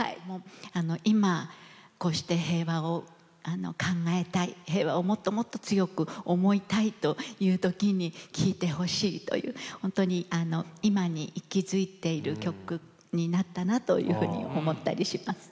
今こうして平和を考えたい平和をもっともっと強く思いたいという時に聞いてほしいというほんとに今に息づいている曲になったなというふうに思ったりします。